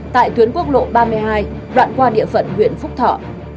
tại tuyến quốc lộ ba mươi hai đoạn qua địa phận huyện phúc thọ